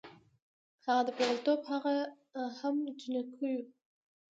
هم د پېغلوټو هم جینکیو